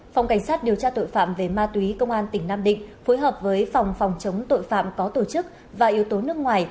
phòng cảnh sát điều tra tội phạm về ma túy công an tỉnh nam định phối hợp với phòng phòng chống tội phạm có tổ chức và yếu tố nước ngoài